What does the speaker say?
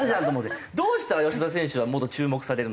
どうしたら吉田選手はもっと注目されるのか。